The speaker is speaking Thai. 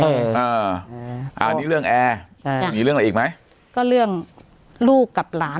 อันนี้เรื่องแอร์ใช่มีเรื่องอะไรอีกไหมก็เรื่องลูกกับหลาน